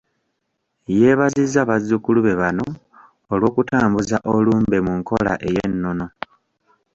Yeebazizza bazzukulu be bano olw'okutambuza olumbe mu nkola ey'ennono.